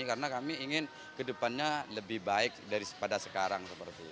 karena kami ingin ke depannya lebih baik daripada sekarang